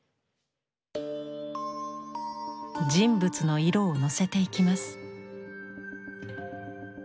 人物の色をのせていきます。